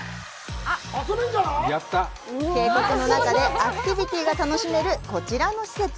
渓谷の中でアクティビティが楽しめるこちらの施設。